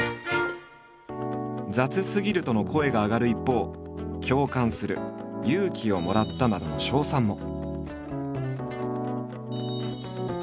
「雑すぎる」との声が上がる一方「共感する」「勇気をもらった」などの称賛も。